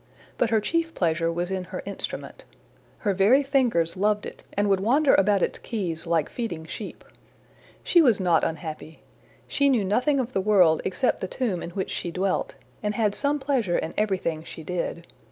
But her chief pleasure was in her instrument. Her very fingers loved it and would wander about its keys like feeding sheep. She was not unhappy. She knew nothing of the world except the tomb in which she dwelt, and had some pleasure in everything she did.